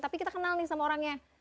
tapi kita kenal nih sama orangnya